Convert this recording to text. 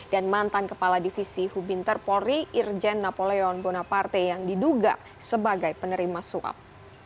dan mantan kepala divisi hubinter polri irjen napoleon bonaparte yang diduga sebagai penerima suap